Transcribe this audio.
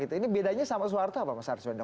ini bedanya sama soeharto apa mas arswendo